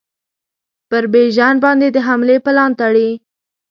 پر بیژن باندي د حملې پلان تړي.